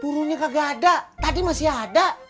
burungnya kagak ada tadi masih ada